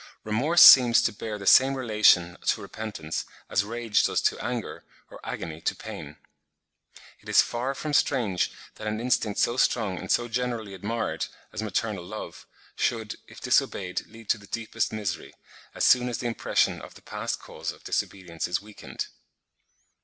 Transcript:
Remorse seems to bear the same relation to repentance, as rage does to anger, or agony to pain. It is far from strange that an instinct so strong and so generally admired, as maternal love, should, if disobeyed, lead to the deepest misery, as soon as the impression of the past cause of disobedience is weakened.